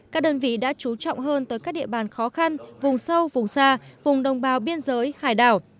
các đơn vị đã chú trọng hơn tới các địa bàn khó khăn vùng sâu vùng xa vùng đồng bào biên giới hải đảo